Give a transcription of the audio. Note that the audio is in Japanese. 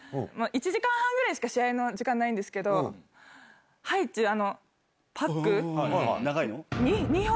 １時間半ぐらいしか試合の時間ないんですけど、長いの？